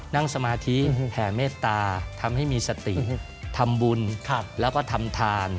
นั่งสมาธิแห่เมตตาทำให้มีสติทำบุญแล้วก็ทำทาน